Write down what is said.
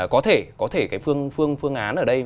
có thể cái phương án ở đây